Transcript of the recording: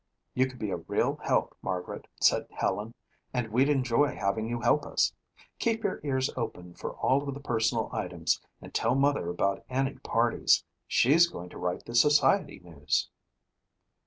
"You could be a real help, Margaret," said Helen, "and we'd enjoy having you help us. Keep your ears open for all of the personal items and tell Mother about any parties. She's going to write the society news."